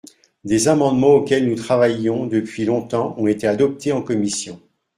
Des amendements auxquels nous travaillions depuis longtemps ont été adoptés en commission.